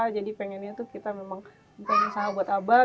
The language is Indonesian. jadi pengennya tuh kita memang usaha buat abbas